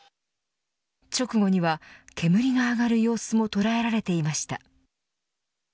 直後には煙が上がる様子も捉えられていました。